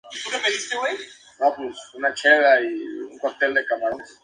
Cuando el llegó el general espartano, Brásidas, fueron obligados a retirarse, e invadieron Beocia.